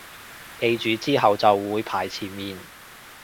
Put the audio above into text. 記住之後就會排前面